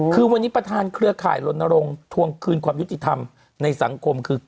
คือวันนี้ประธานเครือข่ายลนรงค์ทวงคืนความยุติธรรมในสังคมคือ